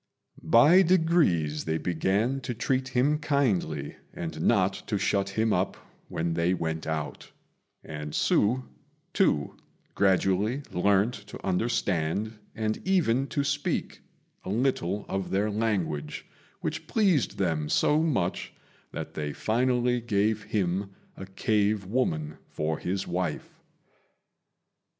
By degrees they began to treat him kindly, and not to shut him up when they went out; and Hsü, too, gradually learnt to understand, and even to speak, a little of their language, which pleased them so much that they finally gave him a cave woman for his wife.